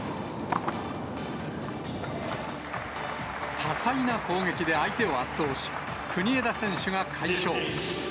多彩な攻撃で相手を圧倒し、国枝選手が快勝。